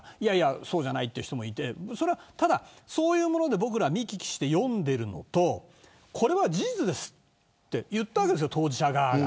そうじゃないという人もいてそういうもので僕らが見聞きして読んでいるのとこれは事実ですと言ったわけですよ、当事者側が。